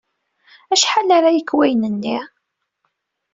Acḥal ara yekk wayen-nni?